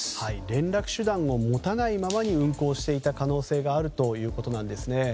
連絡手段を持たないままに運航していた可能性があるということなんですね。